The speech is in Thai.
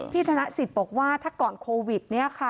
ธนสิทธิ์บอกว่าถ้าก่อนโควิด